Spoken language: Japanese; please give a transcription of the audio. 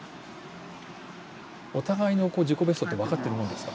お互いの自己ベストって分かってるものですか？